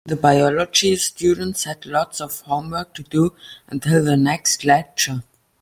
The biology students had lots of homework to do until the next lecture.